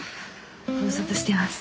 ご無沙汰してます。